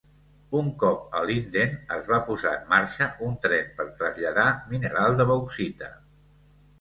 Un cop, a Linden, es va posar en marxa un tren per traslladar mineral de bauxita.